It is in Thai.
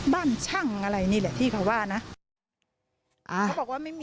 บ้านช่างอะไรนี่แหละที่เขาว่านะ